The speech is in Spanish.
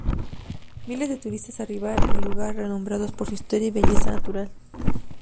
Miles de turistas arriban al lugar, renombrado por su historia y belleza natural.